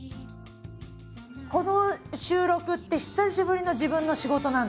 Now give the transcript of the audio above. この収録って久しぶりの自分の仕事なんですよ。